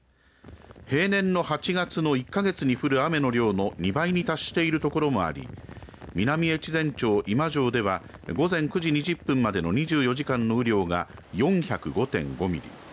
平年の８月の１か月に降る雨の量の２倍に達している所もあり南越前町今庄では午前９時２０分までの２４時間の雨量が４０５．５ミリ